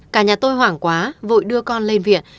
cả nhà tôi hoảng quá vội đưa con lên viện